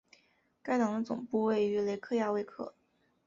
该党的总部位于雷克雅未克。